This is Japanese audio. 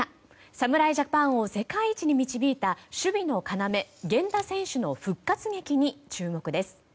侍ジャパンを世界一に導いた守備の要源田選手の復活劇に注目です。